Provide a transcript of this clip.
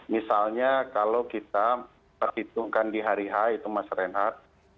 misalnya kalau kita perhitungkan di hari h itu mas reinhardt